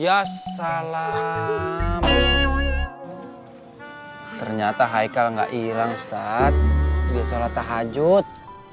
ya salam ternyata haikal nggak ilang start di sholat tahajud